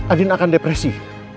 andin akan depresi